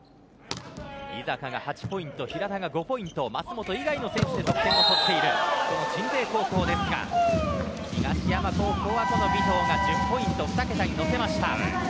井坂が８ポイント平田が５ポイント舛本以外の選手でポイントを取っている鎮西高校ですが、東山高校は尾藤が１０ポイント２桁にのせました。